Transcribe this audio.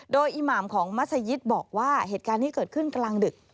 โดยอิหมามของมัศยิตบอกว่าเหตุการณ์ที่เกิดขึ้นกลางดึก